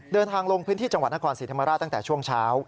ลงพื้นที่จังหวัดนครศรีธรรมราชตั้งแต่ช่วงเช้า